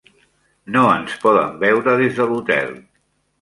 No ens poden veure des de l"hotel.